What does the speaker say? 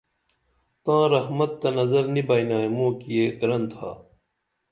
تاں رحمت تہ نظر نی بئنا موں کی یہ گرن تھا